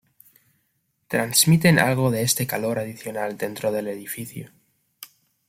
Transmiten algo de este calor adicional dentro del edificio.